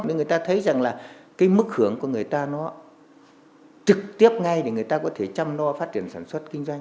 người ta thấy rằng là cái mức hưởng của người ta nó trực tiếp ngay để người ta có thể chăm lo phát triển sản xuất